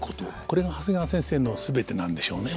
これが長谷川先生の全てなんでしょうね。